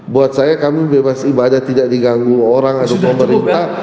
buat saya kami bebas ibadah tidak diganggu orang atau pemerintah